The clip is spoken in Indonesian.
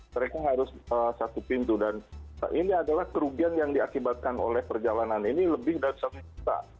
mereka harus satu pintu dan ini adalah kerugian yang diakibatkan oleh perjalanan ini lebih dari satu juta